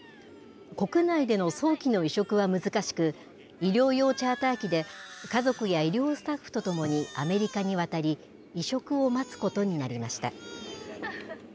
国内での早期の移植は難しく医療用チャーター機で家族や医療スタッフと共にアメリカに渡り移植を待つことになりました。